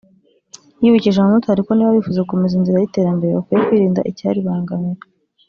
yibukije abamotari ko niba bifuza gukomeza inzira y’iterambere bakwiye kwirinda icyaribangamira